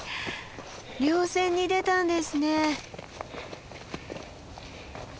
稜線に出たんですね。